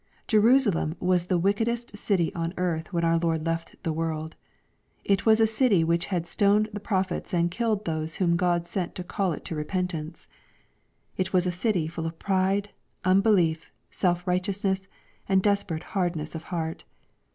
Jerusalem was the wickedest city on earth when our Lord left the world. It was a city which had stoned the pro phets and killed those whom God sent to call it to re pentance. It was a city full of pride, unbelief, self righteousness, and desperate hardness of heart.